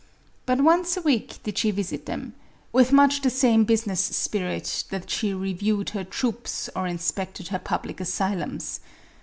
But once a week did she visit them, with much the same business spirit that she reviewed her troops or inspected her public asylums.